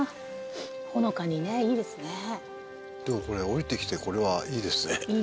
下りてきてこれはいいですね